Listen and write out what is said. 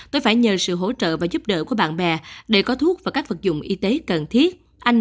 tôi phải nhờ sự hỗ trợ và giúp đỡ của bạn bè để có thuốc và các vật dụng y tế cần thiết